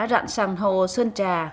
rạn sàng hồ sơn trà